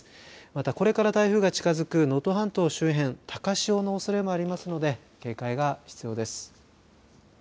また、これから台風が近づく能登半島周辺高潮のおそれもありますので警戒が必要です。